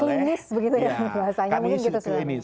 kalau ini secara klinis